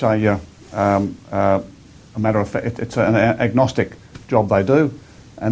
jadi itu adalah pekerjaan agnostik yang mereka lakukan